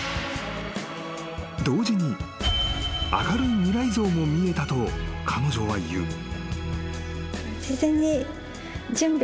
［同時に明るい未来像も見えたと彼女は言う］